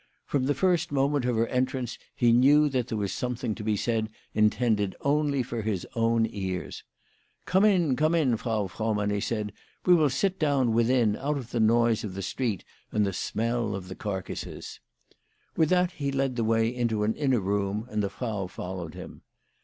From the first moment of her entrance he knew that there was something to be said intended only for his own ears. " Come in, come in, Frau Frohmann," he said ;" we will sit down within, out of the noise of the street and the smell of WHY FRAU FROHMAOT RAISED HER PRICES. 75 the carcases." With that he led the way into an inner room, and the Frau followed him.